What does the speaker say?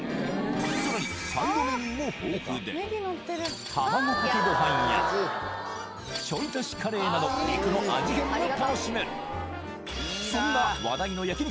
さらにサイドメニューも豊富で卵かけご飯やちょい足しカレーなど肉のそんな話題の焼肉